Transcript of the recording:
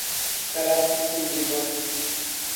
Carapicuíba